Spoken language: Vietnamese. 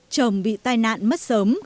chồng bị tai nạn mất sớm